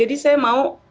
jadi saya mau